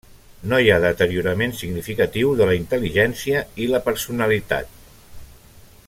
No hi ha deteriorament significatiu de la intel·ligència i la personalitat.